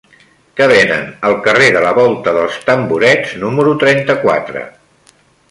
Què venen al carrer de la Volta dels Tamborets número trenta-quatre?